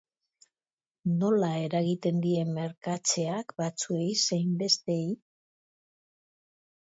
Nola eragiten die merkatzeak batzuei zein besteei?